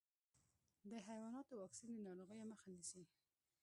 د حیواناتو واکسین د ناروغیو مخه نيسي.